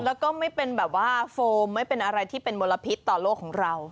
แล้วก็ไม่เป็นแบบว่าโฟมไม่เป็นอะไรที่เป็นมลพิษต่อโลกของเรา